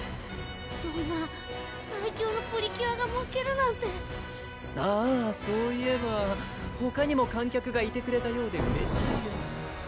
そんな最強のプリキュアが負けるなんてあぁそういえばほかにも観客がいてくれたようでうれしいよ